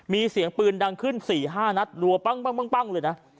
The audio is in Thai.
มีเสียงปืนดังขึ้น๔๕นัดรัวปั้งเลยนะ